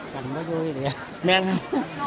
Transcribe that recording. เดี๋ยวเดี๋ยวเดี๋ยวเดี๋ยวนี่